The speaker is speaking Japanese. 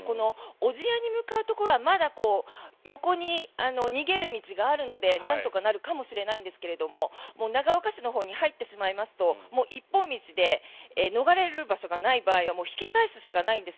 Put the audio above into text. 小千谷に向かうところは、横に逃げる道があるのでなんとかなるかもしれないですが長岡市のほうに入ってしまいますと一本道で逃れる場所がない場合は引き返すしかないんです。